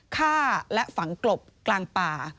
ฆ่าและฝังกลบกลางป่า